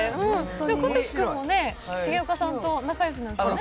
小関君も重岡さんと仲良しなんですよね？